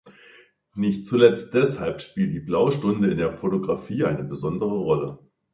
Nicht zuletzt deshalb spielt die blaue Stunde in der Fotografie eine besondere Rolle.